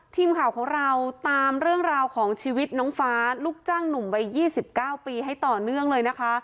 ทีมข่าวของเราตามเรื่องราวของชีวิตน้องฟ้าลูกจ้างหนุ่มวัย๒๙ปีให้ต่อเนื่องเลยนะคะ